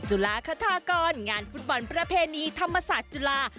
จุฬาคทากรงานฟุตบอลประเพณีธรรมศาสตร์จุฬา